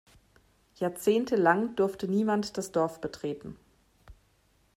Jahrzehntelang durfte niemand das Dorf betreten.